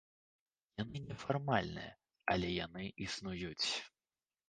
Яны нефармальныя, але яны існуюць.